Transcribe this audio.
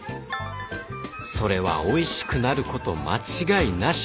それはおいしくなること間違いなし！